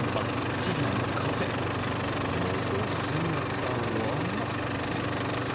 そのお姿は？